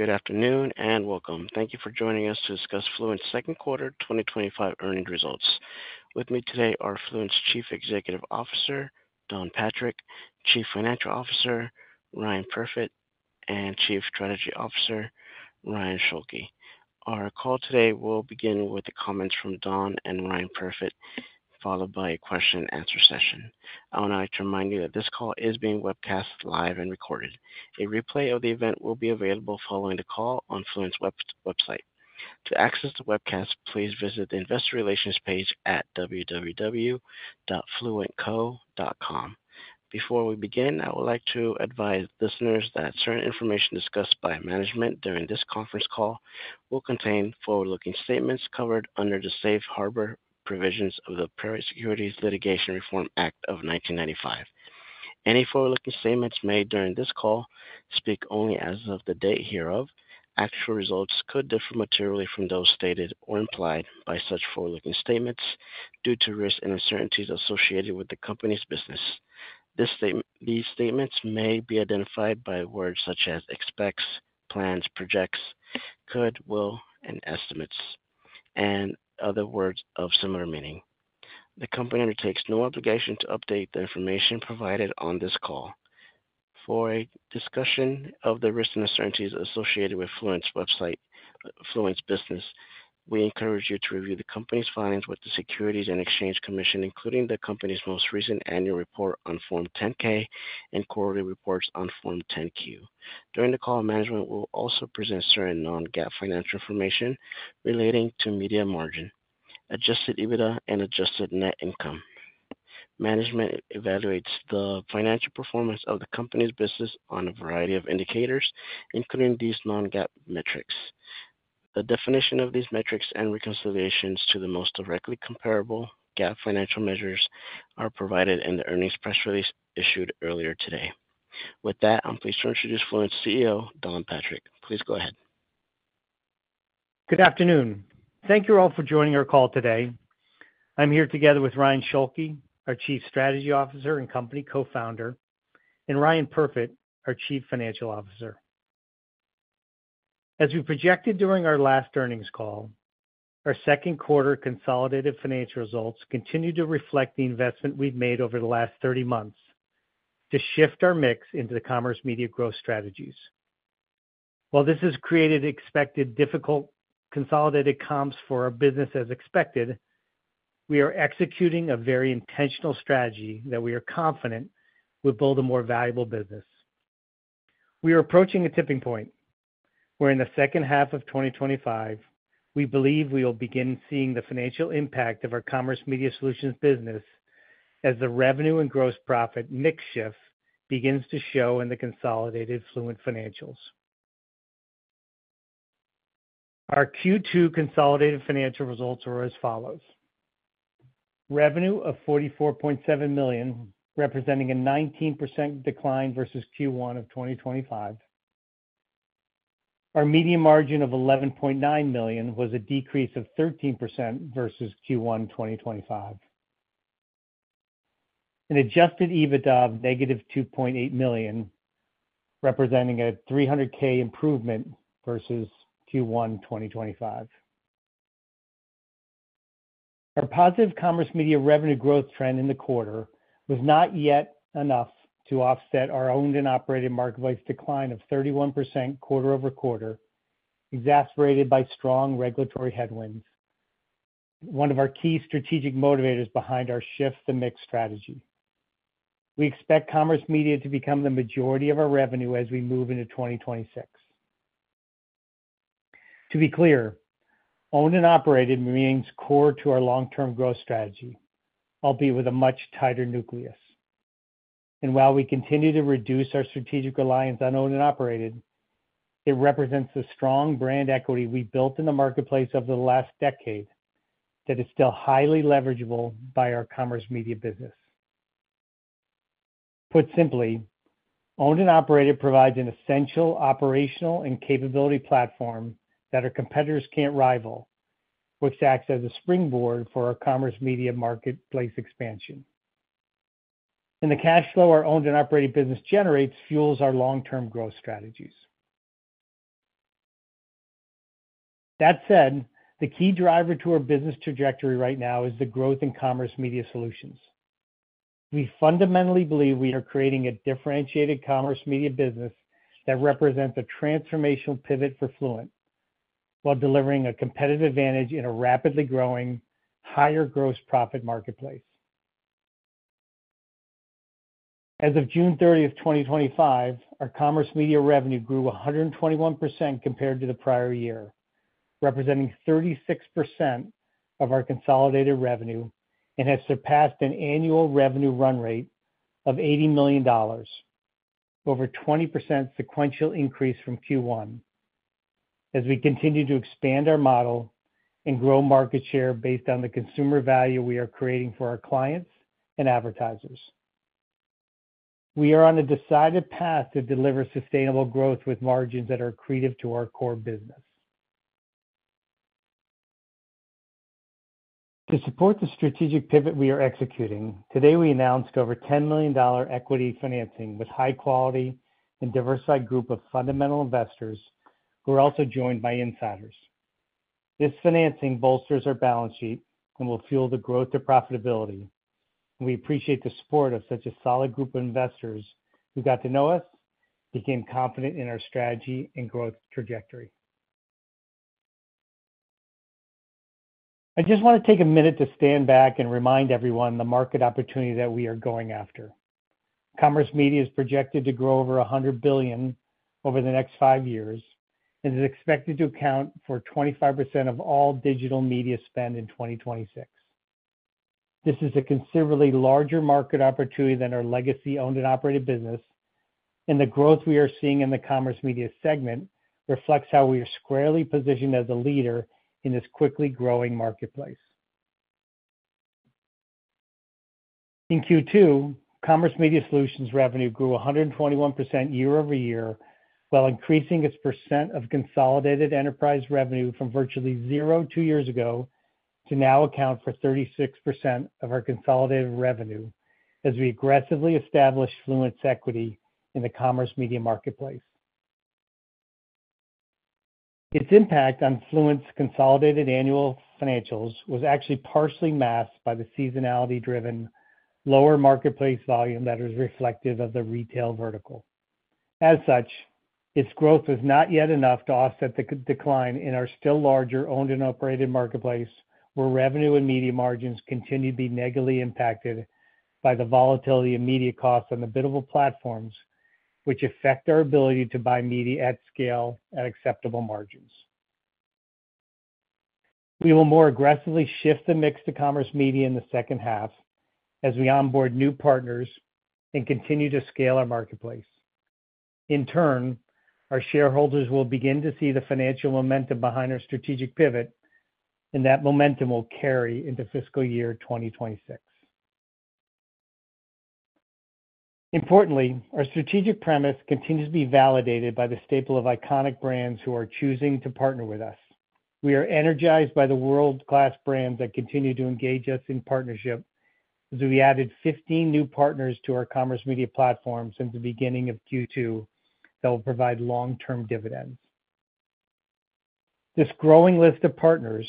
Good afternoon and welcome. Thank you for joining us to discuss Fluent's second quarter 2025 earnings results. With me today are Fluent's Chief Executive Officer, Don Patrick, Chief Financial Officer, Ryan Perfit, and Chief Strategy Officer, Ryan Schulke. Our call today will begin with the comments from Don and Ryan Perfit, followed by a question and answer session. I would like to remind you that this call is being webcast live and recorded. A replay of the event will be available following the call on Fluent's website. To access the webcast, please visit the Investor Relations page at www.fluentco.com. Before we begin, I would like to advise listeners that certain information discussed by management during this conference call will contain forward-looking statements covered under the Safe Harbor provisions of the Private Securities Litigation Reform Act of 1995. Any forward-looking statements made during this call speak only as of the date hereof. Actual results could differ materially from those stated or implied by such forward-looking statements due to risks and uncertainties associated with the company's business. These statements may be identified by words such as expects, plans, projects, could, will, and estimates, and other words of similar meaning. The company undertakes no obligation to update the information provided on this call. For a discussion of the risks and uncertainties associated with Fluent's business, we encourage you to review the company's filings with the Securities and Exchange Commission, including the company's most recent annual report on Form 10-K and quarterly reports on Form 10-Q. During the call, management will also present certain non-GAAP financial information relating to media margin, adjusted EBITDA, and adjusted net income. Management evaluates the financial performance of the company's business on a variety of indicators, including these non-GAAP metrics. A definition of these metrics and reconciliations to the most directly comparable GAAP financial measures are provided in the earnings press release issued earlier today. With that, I'm pleased to introduce Fluent's CEO, Don Patrick. Please go ahead. Good afternoon. Thank you all for joining our call today. I'm here together with Ryan Schulke, our Chief Strategy Officer and Company Co-Founder, and Ryan Perfit, our Chief Financial Officer. As we projected during our last earnings call, our second quarter consolidated financial results continue to reflect the investment we've made over the last 30 months to shift our mix into the commerce media growth strategies. While this has created expected difficult consolidated comps for our business as expected, we are executing a very intentional strategy that we are confident will build a more valuable business. We are approaching a tipping point, where in the second half of 2025, we believe we will begin seeing the financial impact of our Commerce Media Solutions business as the revenue and gross profit mix shift begins to show in the consolidated Fluent financials. Our Q2 consolidated financial results were as follows: revenue of $44.7 million, representing a 19% decline versus Q1 of 2025. Our media margin of $11.9 million was a decrease of 13% versus Q1 2025. An adjusted EBITDA of -$2.8 million, representing a $300,000 improvement versus Q1 2025. Our positive commerce media revenue growth trend in the quarter was not yet enough to offset our owned and operated marketplace decline of 31% quarter over quarter, exacerbated by strong regulatory headwinds, one of our key strategic motivators behind our shift to the mixed strategy. We expect commerce media to become the majority of our revenue as we move into 2026. To be clear, owned and operated remains core to our long-term growth strategy, albeit with a much tighter nucleus. While we continue to reduce our strategic reliance on owned and operated, it represents the strong brand equity we built in the marketplace over the last decade that is still highly leveragable by our commerce media business. Put simply, owned and operated provides an essential operational and capability platform that our competitors can't rival, which acts as a springboard for our commerce media marketplace expansion. The cash flow our owned and operated business generates fuels our long-term growth strategies. That said, the key driver to our business trajectory right now is the growth in Commerce Media Solutions. We fundamentally believe we are creating a differentiated commerce media business that represents a transformational pivot for Fluent while delivering a competitive advantage in a rapidly growing, higher gross profit marketplace. As of June 30, 2025, our commerce media revenue grew 121% compared to the prior year, representing 36% of our consolidated revenue, and has surpassed an annual revenue run rate of $80 million, over a 20% sequential increase from Q1. As we continue to expand our model and grow market share based on the consumer value we are creating for our clients and advertisers, we are on a decided path to deliver sustainable growth with margins that are accretive to our core business. To support the strategic pivot we are executing, today we announced over $10 million equity financing with a high-quality and diversified group of fundamental investors who are also joined by insiders. This financing bolsters our balance sheet and will fuel the growth of profitability. We appreciate the support of such a solid group of investors who got to know us, became confident in our strategy and growth trajectory. I just want to take a minute to stand back and remind everyone the market opportunity that we are going after. Commerce media is projected to grow over $100 billion over the next five years and is expected to account for 25% of all digital media spend in 2026. This is a considerably larger market opportunity than our legacy owned and operated marketplace business, and the growth we are seeing in the commerce media segment reflects how we are squarely positioned as a leader in this quickly growing marketplace. In Q2, Commerce Media Solutions revenue grew 121% year-over-year while increasing its percent of consolidated enterprise revenue from virtually 0% two years ago to now account for 36% of our consolidated revenue as we aggressively established Fluent's equity in the commerce media marketplace. Its impact on Fluent's consolidated annual financials was actually partially masked by the seasonality-driven lower marketplace volume that is reflective of the retail vertical. As such, its growth was not yet enough to offset the decline in our still larger owned and operated marketplace, where revenue and media margins continue to be negatively impacted by the volatility of media costs on the biddable media platforms, which affect our ability to buy media at scale at acceptable margins. We will more aggressively shift the mix to commerce media in the second half as we onboard new partners and continue to scale our marketplace. In turn, our shareholders will begin to see the financial momentum behind our strategic pivot, and that momentum will carry into fiscal year 2026. Importantly, our strategic premise continues to be validated by the staple of iconic brands who are choosing to partner with us. We are energized by the world-class brands that continue to engage us in partnership, as we added 15 new partners to our Commerce Media Solutions platform since the beginning of Q2 that will provide long-term dividends. This growing list of partners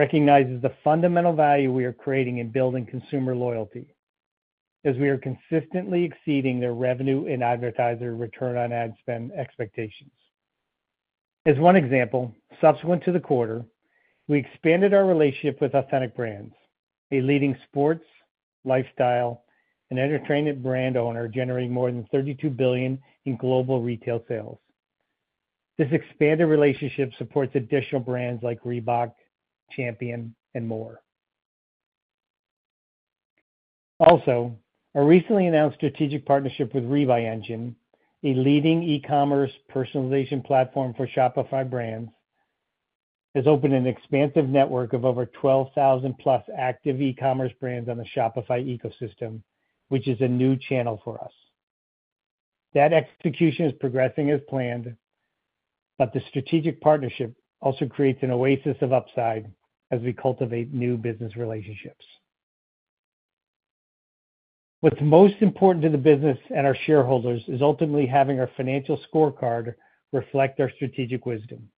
recognizes the fundamental value we are creating in building consumer loyalty, as we are consistently exceeding their revenue and advertiser return on ad spend expectations. As one example, subsequent to the quarter, we expanded our relationship with Authentic Brands, a leading sports, lifestyle, and entertainment brand owner generating more than $32 billion in global retail sales. This expanded relationship supports additional brands like Reebok, Champion, and more. Also, our recently announced strategic partnership with Rebuy Engine, a leading e-commerce personalization platform for Shopify brands, has opened an expansive network of over 12,000 active e-commerce brands on the Shopify ecosystem, which is a new channel for us. That execution is progressing as planned, but the strategic partnership also creates an oasis of upside as we cultivate new business relationships. What's most important to the business and our shareholders is ultimately having our financial scorecard reflect our strategic wisdom.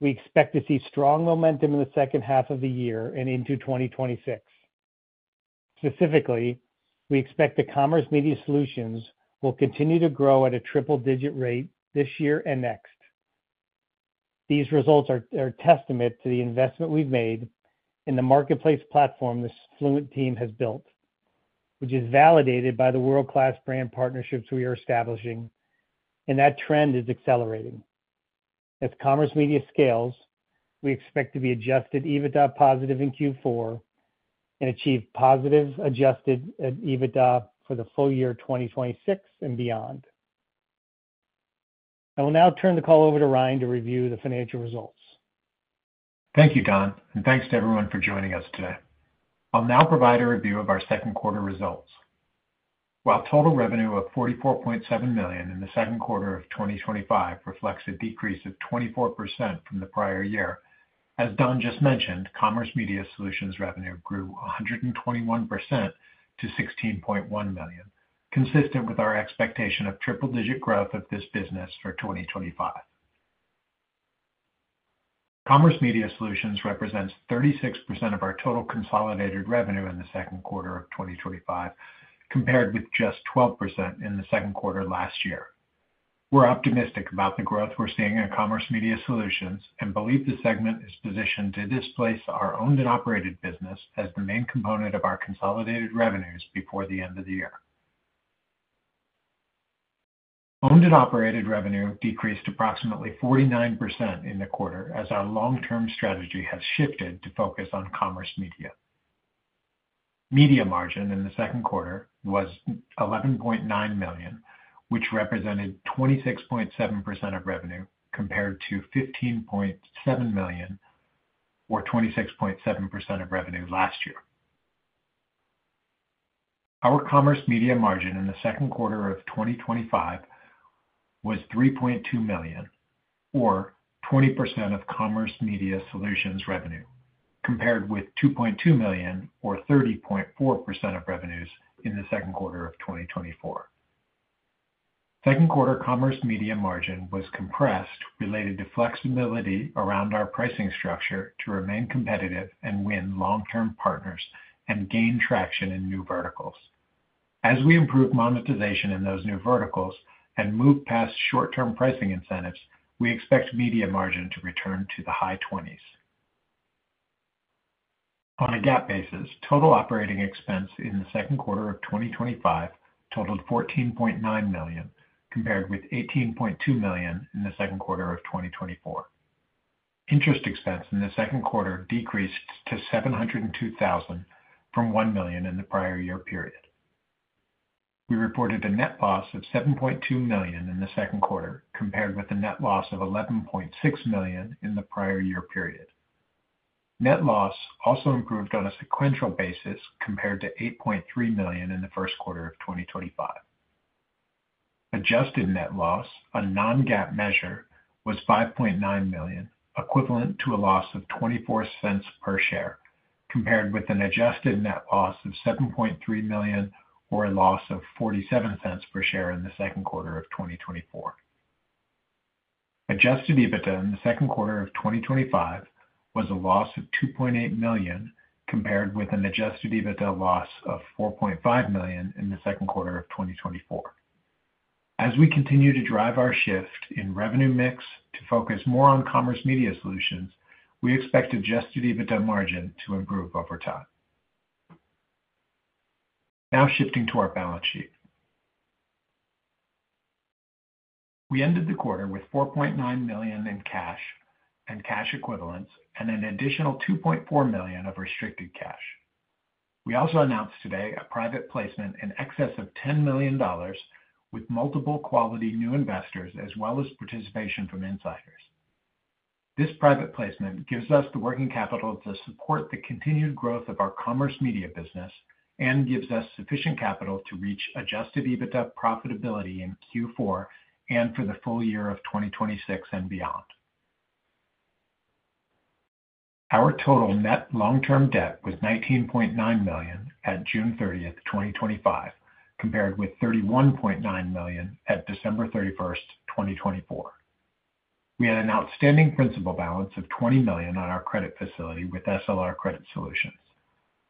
We expect to see strong momentum in the second half of the year and into 2026. Specifically, we expect that Commerce Media Solutions will continue to grow at a triple-digit rate this year and next. These results are a testament to the investment we've made in the marketplace platform this Fluent team has built, which is validated by the world-class brand partnerships we are establishing, and that trend is accelerating. As Commerce Media scales, we expect to be adjusted EBITDA positive in Q4 and achieve positive adjusted EBITDA for the full year 2026 and beyond. I will now turn the call over to Ryan to review the financial results. Thank you, Don, and thanks to everyone for joining us today. I'll now provide a review of our second quarter results. While total revenue of $44.7 million in the second quarter of 2025 reflects a decrease of 24% from the prior year, as Don just mentioned, Commerce Media Solutions revenue grew 121% to $16.1 million, consistent with our expectation of triple-digit growth of this business for 2025. Commerce Media Solutions represents 36% of our total consolidated revenue in the second quarter of 2025, compared with just 12% in the second quarter last year. We're optimistic about the growth we're seeing in Commerce Media Solutions and believe the segment is positioned to displace our owned and operated business as the main component of our consolidated revenues before the end of the year. Owned and operated revenue decreased approximately 49% in the quarter as our long-term strategy has shifted to focus on Commerce Media. Media margin in the second quarter was $11.9 million, which represented 26.7% of revenue, compared to $15.7 million, or 26.7% of revenue last year. Our Commerce Media margin in the second quarter of 2025 was $3.2 million, or 20% of Commerce Media Solutions revenue, compared with $2.2 million, or 30.4% of revenues in the second quarter of 2024. Second quarter Commerce Media margin was compressed related to flexibility around our pricing structure to remain competitive and win long-term partners and gain traction in new verticals. As we improve monetization in those new verticals and move past short-term pricing incentives, we expect media margin to return to the high 20%s. On a GAAP basis, total operating expense in the second quarter of 2025 totaled $14.9 million, compared with $18.2 million in the second quarter of 2024. Interest expense in the second quarter decreased to $702,000 million from $1 million in the prior year period. We reported a net loss of $7.2 million in the second quarter, compared with a net loss of $11.6 million in the prior year period. Net loss also improved on a sequential basis, compared to $8.3 million in the first quarter of 2025. Adjusted net loss, a non-GAAP measure, was $5.9 million, equivalent to a loss of $0.24 per share, compared with an adjusted net loss of $7.3 million, or a loss of $0.47 per share in the second quarter of 2024. Adjusted EBITDA in the second quarter of 2025 was a loss of $2.8 million, compared with an adjusted EBITDA loss of $4.5 million in the second quarter of 2024. As we continue to drive our shift in revenue mix to focus more on Commerce Media Solutions, we expect adjusted EBITDA margin to improve over time. Now shifting to our balance sheet. We ended the quarter with $4.9 million in cash and cash equivalents and an additional $2.4 million of restricted cash. We also announced today a private placement in excess of $10 million with multiple quality new investors, as well as participation from insiders. This private placement gives us the working capital to support the continued growth of our Commerce Media business and gives us sufficient capital to reach adjusted EBITDA profitability in Q4 and for the full year of 2026 and beyond. Our total net long-term debt was $19.9 million at June 30th, 2025, compared with $31.9 million at December 31st, 2024. We had an outstanding principal balance of $20 million on our credit facility with SLR Credit Solutions.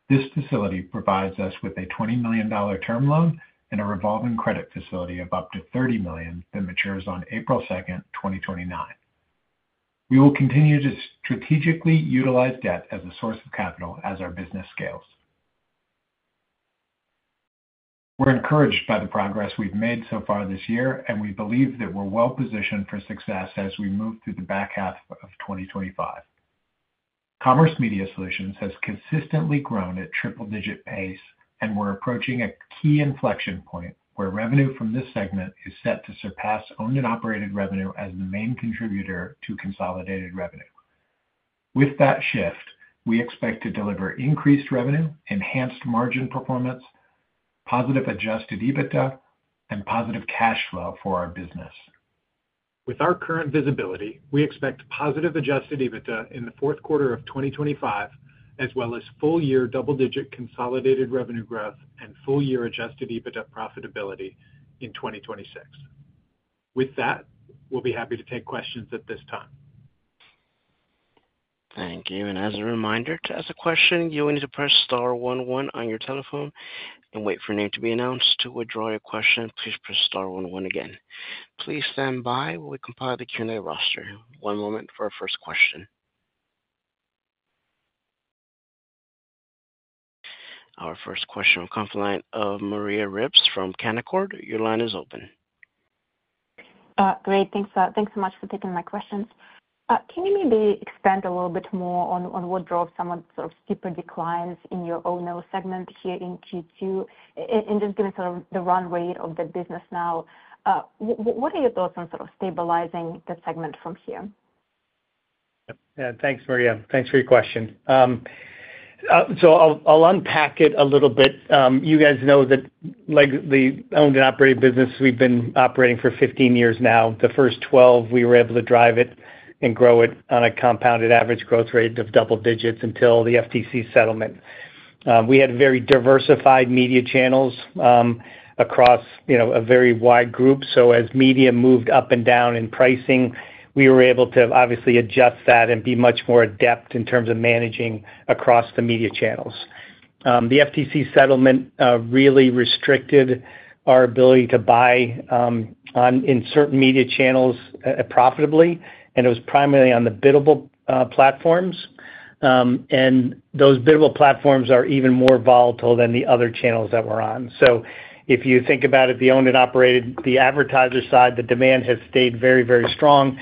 This facility provides us with a $20 million term loan and a revolving credit facility of up to $30 million that matures on April 2nd, 2029. We will continue to strategically utilize debt as a source of capital as our business scales. We're encouraged by the progress we've made so far this year, and we believe that we're well positioned for success as we move through the back half of 2025. Commerce Media Solutions has consistently grown at triple-digit pace, and we're approaching a key inflection point where revenue from this segment is set to surpass owned and operated revenue as the main contributor to consolidated revenue. With that shift, we expect to deliver increased revenue, enhanced margin performance, positive adjusted EBITDA, and positive cash flow for our business. With our current visibility, we expect positive adjusted EBITDA in the fourth quarter of 2025, as well as full-year double-digit consolidated revenue growth and full-year adjusted EBITDA profitability in 2026. With that, we'll be happy to take questions at this time. Thank you. As a reminder, to ask a question, you will need to press star one one on your telephone and wait for your name to be announced. To withdraw your question, please press star one one again. Please stand by while we compile the Q&A roster. One moment for our first question. Our first question on the conference line is from Maria Ripps from Canaccord. Your line is open. Great. Thanks so much for taking my questions. Can you maybe expand a little bit more on what drove some of the sort of steeper declines in your owned and operated segment here in Q2? Just given sort of the run rate of the business now, what are your thoughts on sort of stabilizing the segment from here? Yeah, thanks, Maria. Thanks for your question. I'll unpack it a little bit. You guys know that the owned and operated marketplace business, we've been operating for 15 years now. The first 12, we were able to drive it and grow it on a compounded average growth rate of double digits until the FTC settlement. We had very diversified media channels across a very wide group. As media moved up and down in pricing, we were able to obviously adjust that and be much more adept in terms of managing across the media channels. The FTC settlement really restricted our ability to buy in certain media channels profitably, and it was primarily on the biddable media platforms. Those biddable media platforms are even more volatile than the other channels that we're on. If you think about it, the owned and operated, the advertiser side, the demand has stayed very, very strong.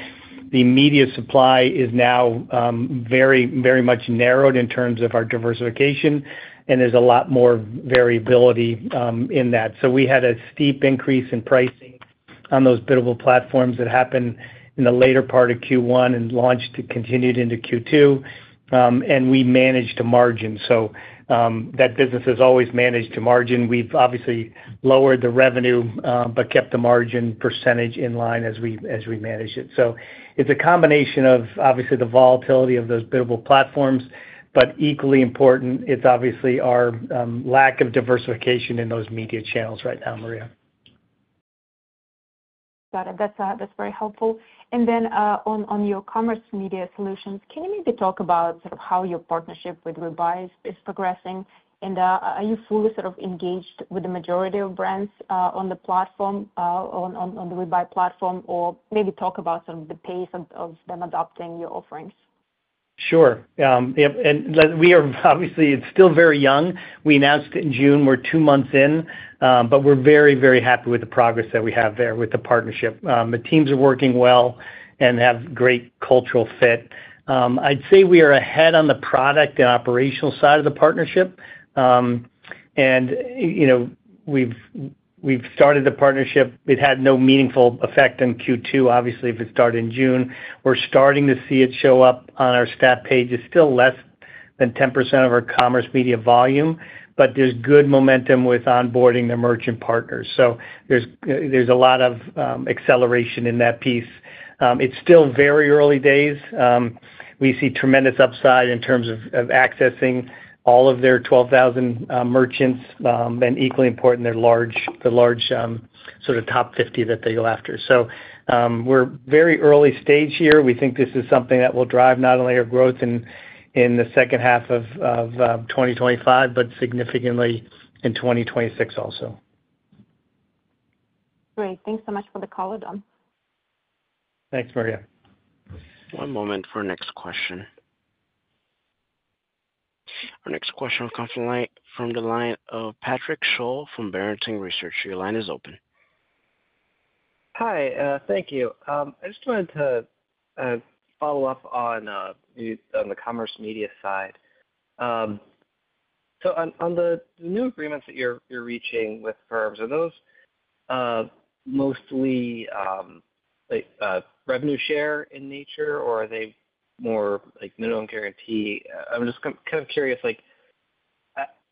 The media supply is now very, very much narrowed in terms of our diversification, and there's a lot more variability in that. We had a steep increase in pricing on those biddable media platforms that happened in the later part of Q1 and continued into Q2. We managed to margin. That business has always managed to margin. We've obviously lowered the revenue, but kept the margin percentage in line as we manage it. It's a combination of the volatility of those biddable media platforms, but equally important, it's our lack of diversification in those media channels right now, Maria. Got it. That's very helpful. On your Commerce Media Solutions, can you maybe talk about how your partnership with Rebuy is progressing? Are you fully engaged with the majority of brands on the platform, on the Rebuy platform, or maybe talk about the pace of them adopting your offerings? Sure. Yeah. We are obviously, it's still very young. We announced it in June. We're two months in, but we're very, very happy with the progress that we have there with the partnership. The teams are working well and have great cultural fit. I'd say we are ahead on the product and operational side of the partnership. We've started the partnership. It had no meaningful effect in Q2. Obviously, if it started in June, we're starting to see it show up on our staff page. It's still less than 10% of our Commerce Media volume, but there's good momentum with onboarding the merchant partners. There's a lot of acceleration in that piece. It's still very early days. We see tremendous upside in terms of accessing all of their 12,000 merchants, and equally important, the large sort of top 50 that they go after. We're very early stage here. We think this is something that will drive not only our growth in the second half of 2025, but significantly in 2026 also. Great. Thanks so much for the call, Don. Thanks, Maria. One moment for our next question. Our next question on the conference line from the line of Patrick Sholl from Barrington Research. Your line is open. Hi. Thank you. I just wanted to follow up on the Commerce Media side. On the new agreements that you're reaching with firms, are those mostly like revenue share in nature, or are they more like minimum guarantee? I'm just kind of curious,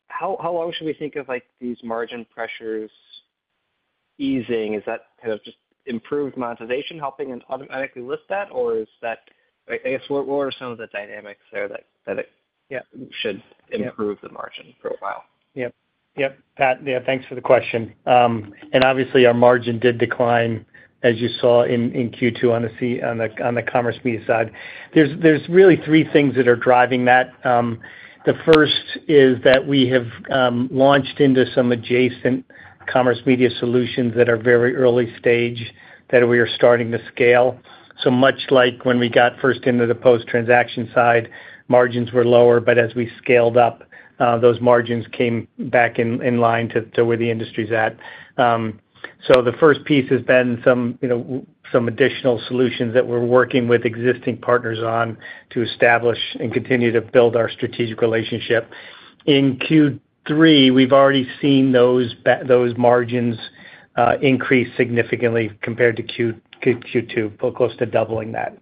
how long should we think of these margin pressures easing? Is that just improved monetization helping and automatically lift that, or what are some of the dynamics there that should improve the margin profile? Yep. Yeah. Thanks for the question. Obviously, our margin did decline, as you saw in Q2 on the Commerce Media side. There are really three things that are driving that. The first is that we have launched into some adjacent Commerce Media Solutions that are very early stage that we are starting to scale. Much like when we got first into the post-transaction side, margins were lower, but as we scaled up, those margins came back in line to where the industry's at. The first piece has been some additional solutions that we're working with existing partners on to establish and continue to build our strategic relationship. In Q3, we've already seen those margins increase significantly compared to Q2, close to doubling that.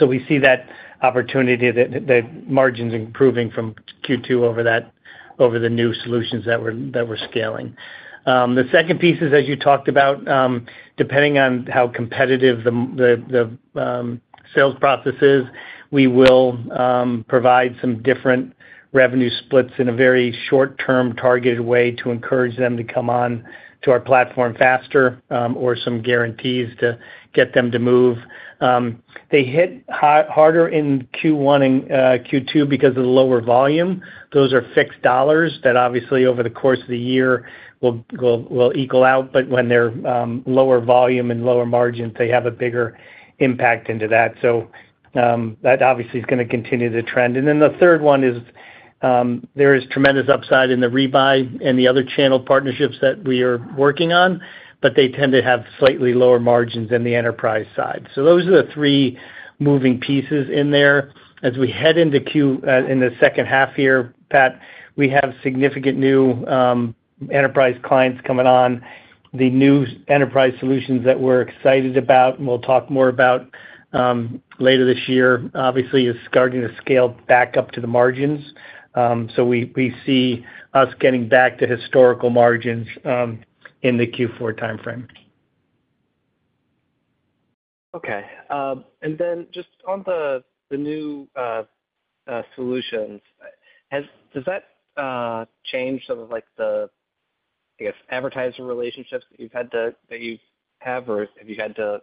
We see that opportunity, that the margins are improving from Q2 over the new solutions that we're scaling. The second piece is, as you talked about, depending on how competitive the sales process is, we will provide some different revenue splits in a very short-term targeted way to encourage them to come on to our platform faster or some guarantees to get them to move. They hit harder in Q1 and Q2 because of the lower volume. Those are fixed dollars that over the course of the year will equal out, but when they're lower volume and lower margins, they have a bigger impact into that. That is going to continue the trend. The third one is there is tremendous upside in the Rebuy and the other channel partnerships that we are working on, but they tend to have slightly lower margins than the enterprise side. Those are the three moving pieces in there. As we head into Q in the second half here, Pat, we have significant new enterprise clients coming on. The new enterprise solutions that we're excited about, and we'll talk more about later this year, obviously is starting to scale back up to the margins. We see us getting back to historical margins in the Q4 timeframe. Okay. On the new solutions, does that change some of the, I guess, advertiser relationships that you've had to have, or have you had to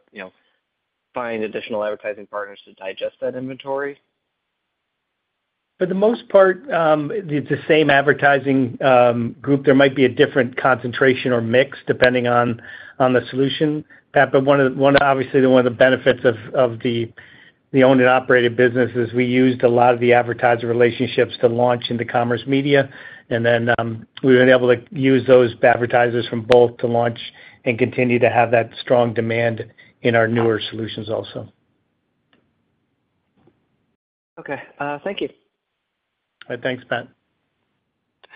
find additional advertising partners to digest that inventory? For the most part, the same advertising group. There might be a different concentration or mix depending on the solution. Obviously, one of the benefits of the owned and operated marketplace business is we used a lot of the advertiser relationships to launch into Commerce Media Solutions, and then we were able to use those advertisers from both to launch and continue to have that strong demand in our newer solutions also. Okay, thank you. All right. Thanks, Pat.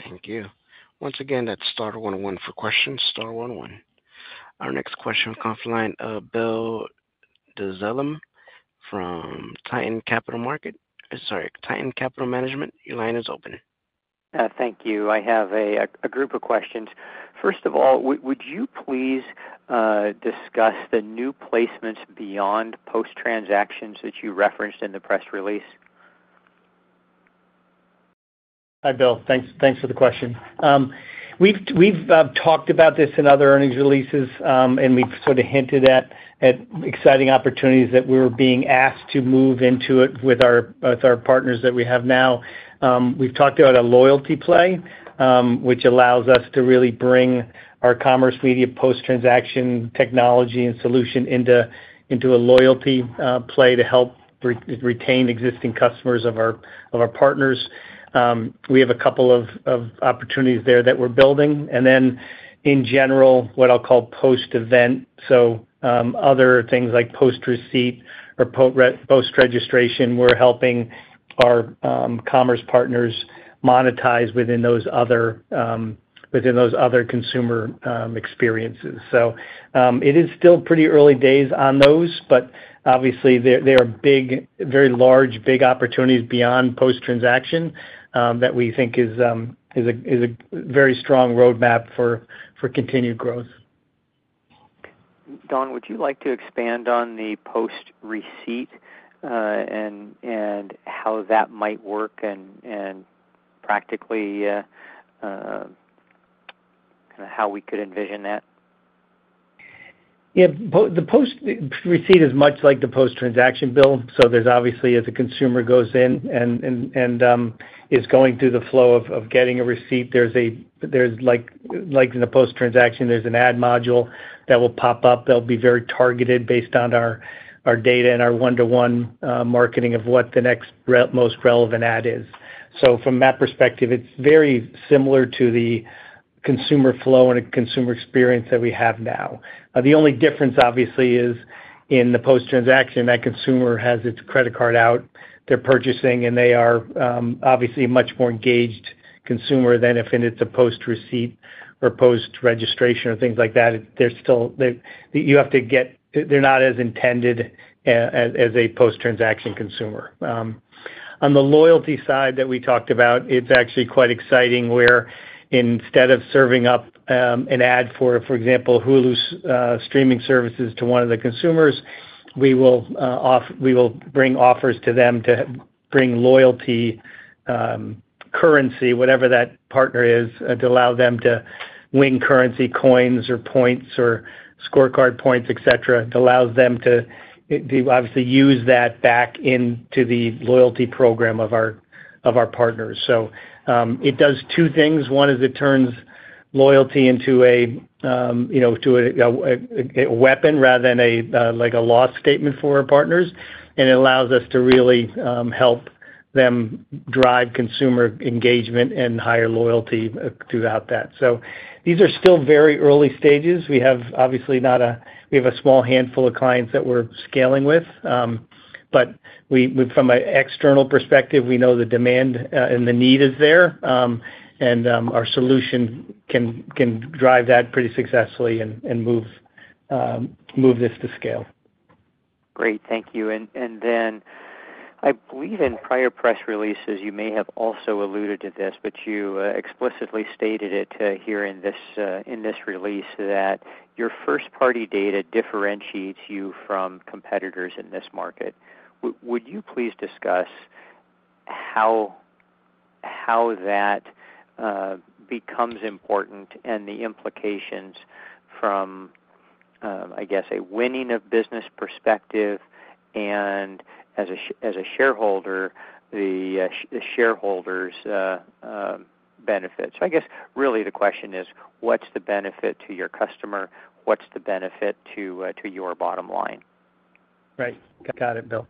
Thank you. Once again, that's star 101 for questions, star 101. Our next question on the conference line, William Dezellem from Tieton Capital Management. Your line is open. Thank you. I have a group of questions. First of all, would you please discuss the new placements beyond post-transaction that you referenced in the press release? Hi, Bill. Thanks for the question. We've talked about this in other earnings releases, and we've sort of hinted at exciting opportunities that we were being asked to move into with our partners that we have now. We've talked about a loyalty play, which allows us to really bring our Commerce Media post-transaction technology and solution into a loyalty play to help retain existing customers of our partners. We have a couple of opportunities there that we're building. In general, what I'll call post-event, so other things like post-receipt or post-registration, we're helping our Commerce partners monetize within those other consumer experiences. It is still pretty early days on those, but obviously, there are very large, big opportunities beyond post-transaction that we think is a very strong roadmap for continued growth. Don, would you like to expand on the post-receipt and how that might work and practically kind of how we could envision that? Yeah. The post-receipt is much like the post-transaction, Bill. As a consumer goes in and is going through the flow of getting a receipt, there's an ad module that will pop up. They'll be very targeted based on our data and our one-to-one marketing of what the next most relevant ad is. From that perspective, it's very similar to the consumer flow and a consumer experience that we have now. The only difference, obviously, is in the post-transaction, that consumer has its credit card out, they're purchasing, and they are obviously a much more engaged consumer than if it's a post-receipt or post-registration or things like that. They're still, you have to get, they're not as intended as a post-transaction consumer. On the loyalty side that we talked about, it's actually quite exciting where instead of serving up an ad for, for example, Hulu's streaming services to one of the consumers, we will bring offers to them to bring loyalty currency, whatever that partner is, to allow them to win currency, coins, or points, or scorecard points, etc. It allows them to obviously use that back into the loyalty program of our partners. It does two things. One is it turns loyalty into a weapon rather than a lost statement for our partners. It allows us to really help them drive consumer engagement and higher loyalty throughout that. These are still very early stages. We have a small handful of clients that we're scaling with. From an external perspective, we know the demand and the need is there. Our solution can drive that pretty successfully and move this to scale. Great. Thank you. I believe in prior press releases, you may have also alluded to this, but you explicitly stated it here in this release that your first-party data differentiates you from competitors in this market. Would you please discuss how that becomes important and the implications from, I guess, a winning of business perspective and as a shareholder, the shareholders' benefits? I guess really the question is, what's the benefit to your customer? What's the benefit to your bottom line? Right. Got it, Bill.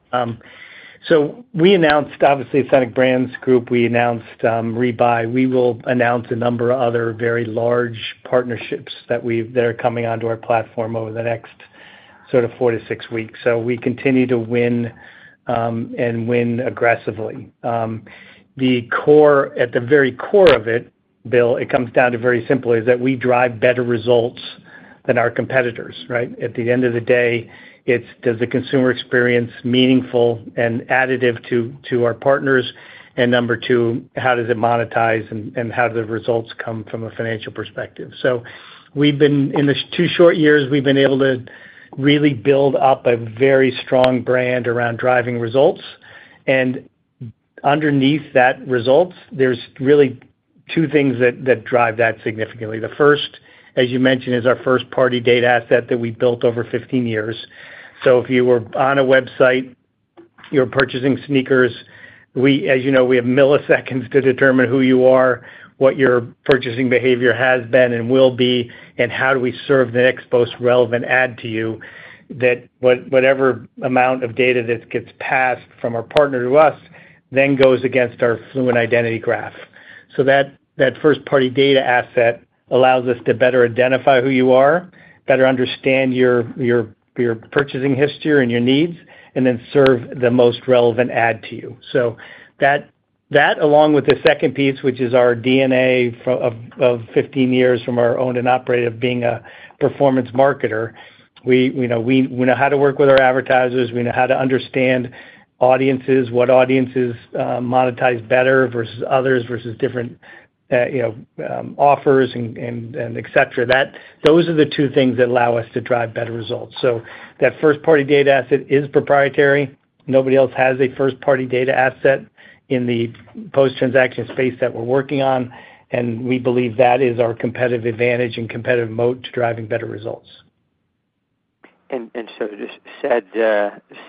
We announced, obviously, Authentic Brands Group. We announced Rebuy. We will announce a number of other very large partnerships that are coming onto our platform over the next four to six weeks. We continue to win and win aggressively. At the very core of it, Bill, it comes down to very simply that we drive better results than our competitors, right? At the end of the day, does the consumer experience become meaningful and additive to our partners? Number two, how does it monetize and how do the results come from a financial perspective? In the two short years, we've been able to really build up a very strong brand around driving results. Underneath that results, there are really two things that drive that significantly. The first, as you mentioned, is our first-party data asset that we built over 15 years. If you were on a website, you're purchasing sneakers, we, as you know, have milliseconds to determine who you are, what your purchasing behavior has been and will be, and how do we serve the next most relevant ad to you. Whatever amount of data that gets passed from our partner to us then goes against our Fluent identity graph. That first-party data asset allows us to better identify who you are, better understand your purchasing history and your needs, and then serve the most relevant ad to you. That, along with the second piece, which is our DNA of 15 years from our owned and operated of being a performance marketer, means we know how to work with our advertisers. We know how to understand audiences, what audiences monetize better versus others versus different offers and etc. Those are the two things that allow us to drive better results. That first-party data asset is proprietary. Nobody else has a first-party data asset in the post-transaction space that we're working on. We believe that is our competitive advantage and competitive moat to driving better results. Just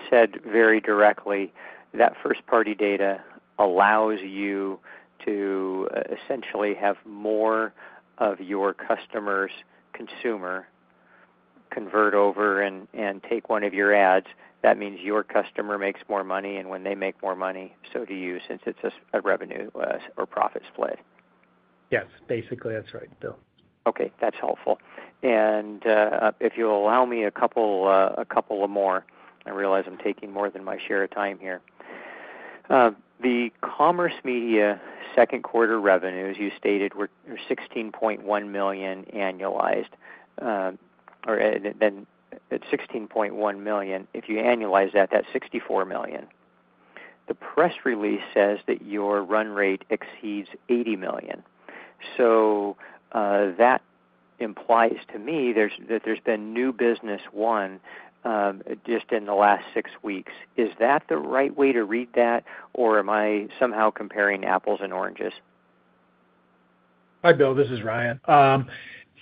said very directly, that first-party data allows you to essentially have more of your customer's consumer convert over and take one of your ads. That means your customer makes more money, and when they make more money, so do you, since it's a revenue or profit split. Yes, basically, that's right, William. Okay. That's helpful. If you'll allow me a couple more, I realize I'm taking more than my share of time here. The Commerce Media Solutions second quarter revenue, as you stated, was $16.1 million. If you annualize that, that's $64 million. The press release says that your run rate exceeds $80 million. That implies to me that there's been new business won just in the last six weeks. Is that the right way to read that, or am I somehow comparing apples and oranges? Hi, Bill. This is Ryan.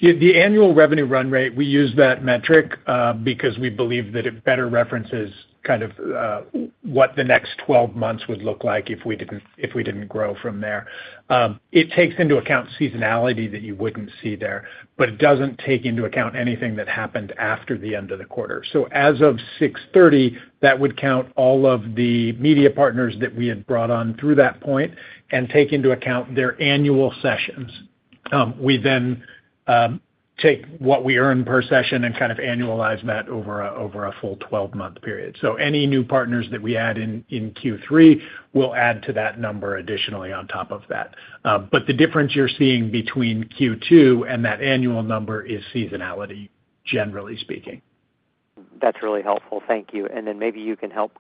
The annual revenue run rate, we use that metric because we believe that it better references kind of what the next 12 months would look like if we didn't grow from there. It takes into account seasonality that you wouldn't see there, but it doesn't take into account anything that happened after the end of the quarter. As of 06/30, that would count all of the media partners that we had brought on through that point and take into account their annual sessions. We then take what we earn per session and kind of annualize that over a full 12-month period. Any new partners that we add in Q3 will add to that number additionally on top of that. The difference you're seeing between Q2 and that annual number is seasonality, generally speaking. That's really helpful. Thank you. Maybe you can help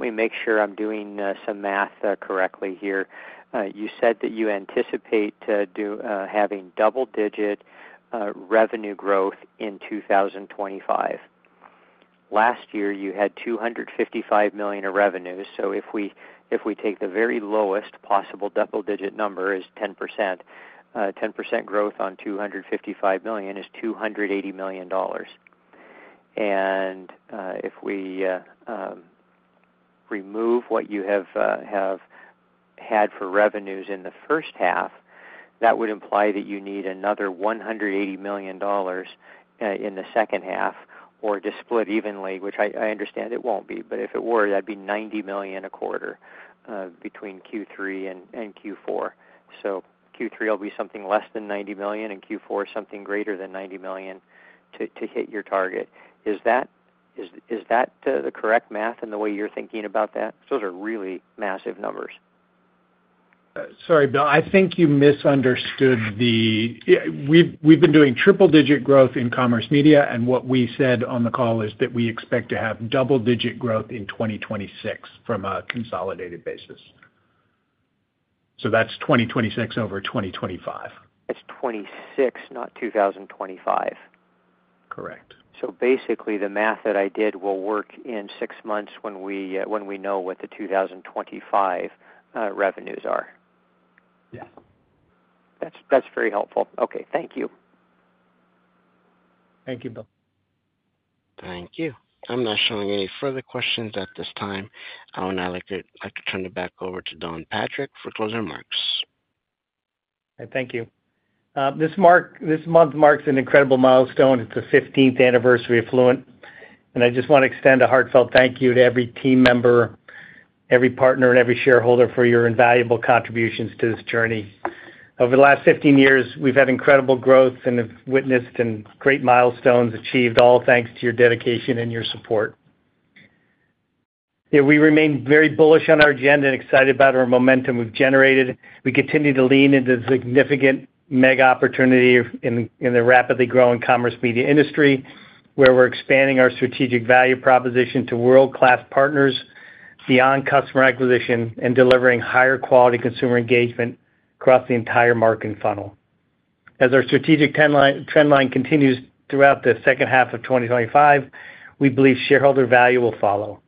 me make sure I'm doing some math correctly here. You said that you anticipate having double-digit revenue growth in 2025. Last year, you had $255 million in revenue. If we take the very lowest possible double-digit number, it's 10%. 10% growth on $255 million is $280 million. If we remove what you have had for revenues in the first half, that would imply that you need another $180 million in the second half, or to split evenly, which I understand it won't be, but if it were, that'd be $90 million a quarter between Q3 and Q4. Q3 will be something less than $90 million and Q4 something greater than $90 million to hit your target. Is that the correct math in the way you're thinking about that? Because those are really massive numbers. Sorry, Bill. I think you misunderstood, we've been doing triple-digit growth in Commerce Media, and what we said on the call is that we expect to have double-digit growth in 2026 from a consolidated basis. That's 2026 over 2025. It's 2026, not 2025. Correct. Basically, the math that I did will work in six months when we know what the 2025 revenues are. Yes. That's very helpful. Okay, thank you. Thank you, Bill. Thank you. I'm not showing any further questions at this time. I would now like to turn it back over to Don Patrick for closing remarks. All right. Thank you. This month marks an incredible milestone. It's the 15th anniversary of Fluent. I just want to extend a heartfelt thank you to every team member, every partner, and every shareholder for your invaluable contributions to this journey. Over the last 15 years, we've had incredible growth and have witnessed great milestones achieved, all thanks to your dedication and your support. We remain very bullish on our agenda and excited about our momentum we've generated. We continue to lean into the significant mega opportunity in the rapidly growing Commerce Media industry, where we're expanding our strategic value proposition to world-class partners beyond customer acquisition and delivering higher quality consumer engagement across the entire marketing funnel. As our strategic trend line continues throughout the second half of 2025, we believe shareholder value will follow.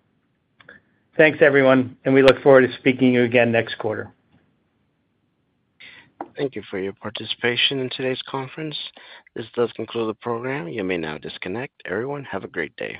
Thanks, everyone, and we look forward to speaking to you again next quarter. Thank you for your participation in today's conference. This does conclude the program. You may now disconnect. Everyone, have a great day.